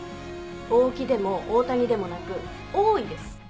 大木でも大谷でもなく大井です。